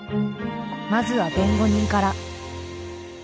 まずは弁護人から。